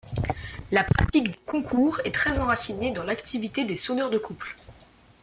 La pratique des concours est très enracinée dans l'activité des sonneurs de couple.